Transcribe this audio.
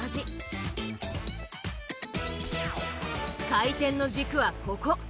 回転の軸はここ。